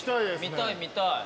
見たい見たい。